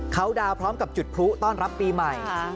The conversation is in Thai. เขาดาวพร้อมกับจุดพลุต้อนรับปีใหม่